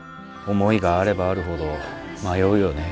思いがあればあるほど迷うよね。